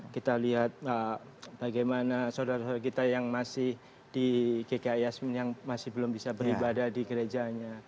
kita lihat bagaimana saudara saudara kita yang masih di gk yasmin yang masih belum bisa beribadah di gerejanya